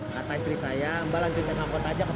kata istri saya mbak lanjutkan angkot aja ke pasar